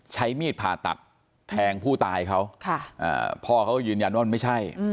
ใช้มีดผ่าตัดแทงผู้ตายเขาพ่อเขาก็ยืนยันว่ามันไม่ใช่